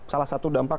salah satu dampak